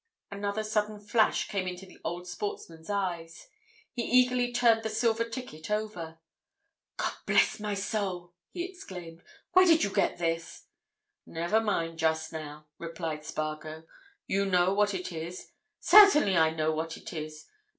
Another sudden flash came into the old sportsman's eyes—he eagerly turned the silver ticket over. "God bless my soul!" he exclaimed. "Where did you get this?" "Never mind, just now," replied Spargo. "You know what it is?" "Certainly I know what it is!